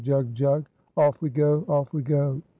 jug! jug! Off we go! off we go!